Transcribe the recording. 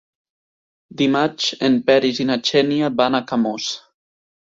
Dimarts en Peris i na Xènia van a Camós.